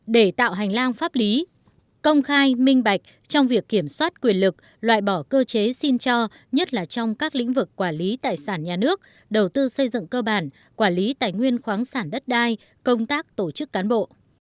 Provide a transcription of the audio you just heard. để tạo hành lang pháp lý công khai minh bạch trong việc kiểm soát quyền lực loại bỏ cơ chế xin cho nhất là trong các lĩnh vực quản lý tài sản nhà nước đầu tư xây dựng cơ bản quản lý tài nguyên khoáng sản đất đai công tác tổ chức cán bộ